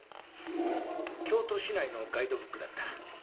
京都市内のガイドブックだった。